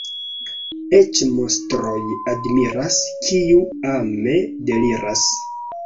Eĉ monstron admiras, kiu ame deliras.